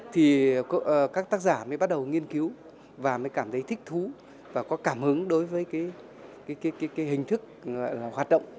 thì các tác giả mới bắt đầu nghiên cứu và mới cảm thấy thích thú và có cảm hứng đối với cái hình thức hoạt động